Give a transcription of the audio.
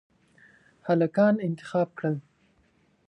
هلکان انتخاب کړل.